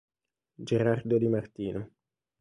Gerardo Di Martino